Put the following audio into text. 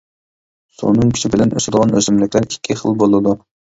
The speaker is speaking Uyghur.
سۇنىڭ كۈچى بىلەن ئۆسىدىغان ئۆسۈملۈكلەر ئىككى خىل بولىدۇ.